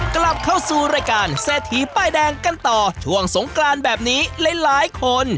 กลับเข้าสู่รายการเศรษฐีป้ายแดงกันต่อช่วงสงกรานแบบนี้หลายคน